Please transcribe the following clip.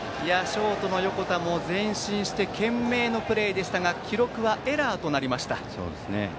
ショートの横田も前進して懸命のプレーでしたが記録はエラーとなりました。